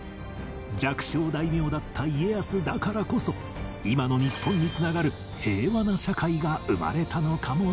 弱小大名だった家康だからこそ今の日本に繋がる平和な社会が生まれたのかもしれない